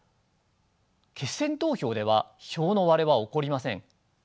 決選投票では票の割れは起こりません。